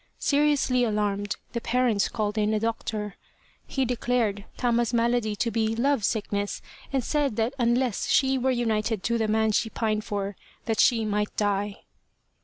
Seriously alarmed, the parents called in a doctor. He declared Tama's malady to be love sickness, and said that unless she were united to the man she pined for that she might die.